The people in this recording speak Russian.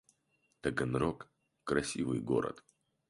Таганрог — красивый город